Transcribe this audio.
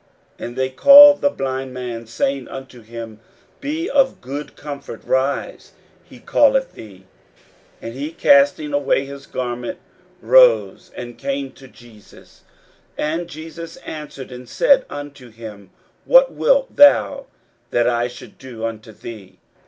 And they call the blind man, saying unto him, Be of good comfort, rise; he calleth thee. 41:010:050 And he, casting away his garment, rose, and came to Jesus. 41:010:051 And Jesus answered and said unto him, What wilt thou that I should do unto thee?